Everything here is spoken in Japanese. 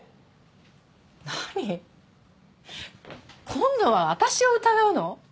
今度は私を疑うの？